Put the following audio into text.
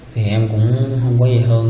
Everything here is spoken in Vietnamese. thì em cũng không có gì hơn